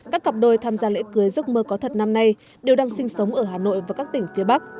các cặp đôi tham gia lễ cưới giấc mơ có thật năm nay đều đang sinh sống ở hà nội và các tỉnh phía bắc